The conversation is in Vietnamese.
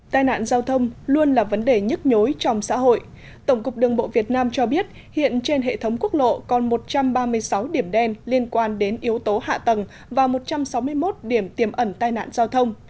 tai nạn giao thông luôn là vấn đề nhức nhối trong xã hội tổng cục đường bộ việt nam cho biết hiện trên hệ thống quốc lộ còn một trăm ba mươi sáu điểm đen liên quan đến yếu tố hạ tầng và một trăm sáu mươi một điểm tiềm ẩn tai nạn giao thông